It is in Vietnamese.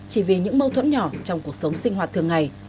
chỉ vì những mâu thuẫn nhỏ trong cuộc sống sinh hoạt thường ngày